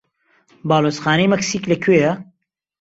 باڵیۆزخانەی مەکسیک لەکوێیە؟